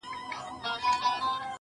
سپېڅلې، مغروره، ښکلي